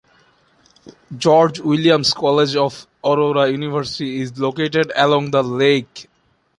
George Williams College of Aurora University is located along the lake.